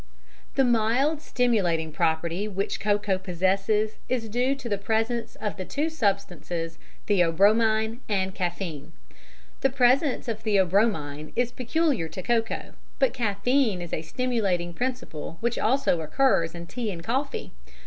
_ The mild stimulating property which cocoa possesses is due to the presence of the two substances, theobromine and caffein. The presence of theobromine is peculiar to cocoa, but caffein is a stimulating principle which also occurs in tea and coffee.